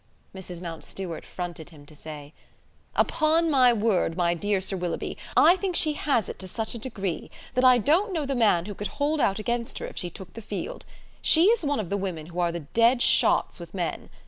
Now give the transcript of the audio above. Mrs. Mountstuart fronted him to say: "Upon my word, my dear Sir Willoughby, I think she has it to such a degree that I don't know the man who could hold out against her if she took the field. She is one of the women who are dead shots with men.